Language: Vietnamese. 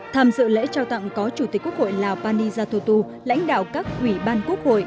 tham dự lễ trao tặng có chủ tịch quốc hội lào pani yathutu lãnh đạo các ủy ban quốc hội